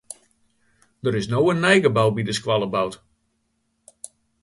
Der is no in nij gebou by de skoalle boud.